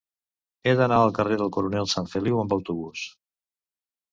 He d'anar al carrer del Coronel Sanfeliu amb autobús.